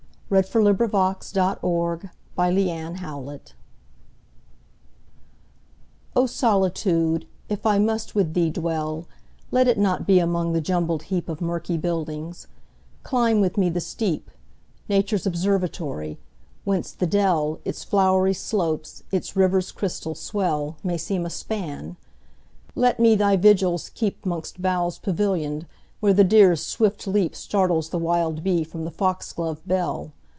1884. 20. O Solitude! if I must with thee dwell O SOLITUDE! if I must with thee dwell, Let it not be among the jumbled heapOf murky buildings; climb with me the steep,—Nature's observatory—whence the dell, Its flowery slopes, its river's crystal swell, May seem a span; let me thy vigils keep'Mongst boughs pavillion'd, where the deer's swift leapStartles the wild bee from the fox glove bell.